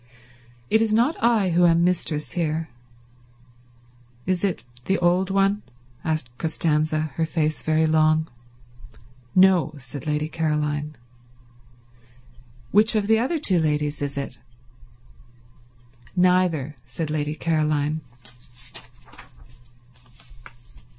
"It is not I who am mistress here." "Is it the old one?" asked Costanza, her face very long. "No," said Lady Caroline. "Which of the other two ladies is it?" "Neither," said Lady Caroline.